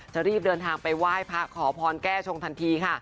จะรีบเดินทางไปไหว้พระขอพรแก้ชงทันทีค่ะ